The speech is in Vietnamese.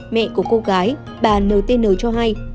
mẹ của cô gái bà nờ tên nờ cho hay